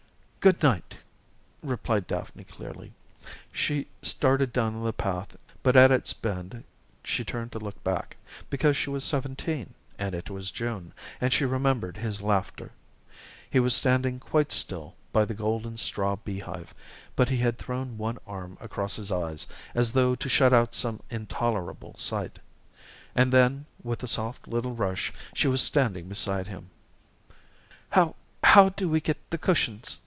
"Good night," replied Daphne clearly. She started down the path, but at its bend she turned to look back because she was seventeen, and it was June, and she remembered his laughter. He was standing quite still by the golden straw beehive, but he had thrown one arm across his eyes, as though to shut out some intolerable sight. And then, with a soft little rush she was standing beside him. "How how do we get the cushions?"